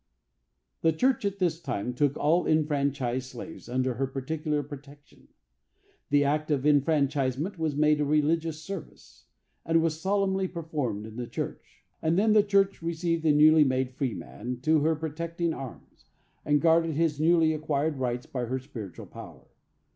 The church, at this time, took all enfranchised slaves under her particular protection. The act of enfranchisement was made a religious service, and was solemnly performed in the church; and then the church received the newly made freeman to her protecting arms, and guarded his newly acquired rights by her spiritual power.